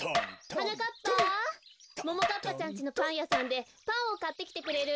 はなかっぱももかっぱちゃんちのパンやさんでパンをかってきてくれる？